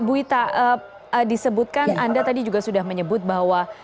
bu ita disebutkan anda tadi juga sudah menyebut bahwa